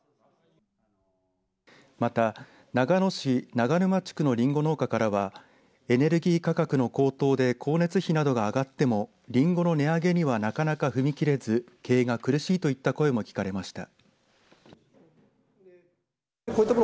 また、長野市長沼地区のりんご農家からはエネルギー価格の高騰で光熱費などが上がってもりんごの値上げにはなかなか踏み切れず経営が苦しいといった声も聞かれました。